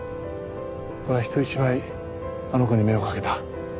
俺は人一倍あの子に目をかけた。